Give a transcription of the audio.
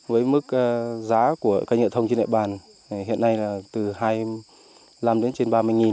với mức giá của cây nhựa thông trên đại bàn hiện nay là từ hai mươi năm đến trên ba mươi nghìn